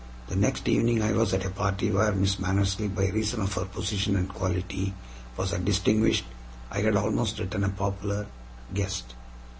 The next evening I was at a party where Miss Mannersley, by reason of her position and quality, was a distinguished I had almost written a popular guest.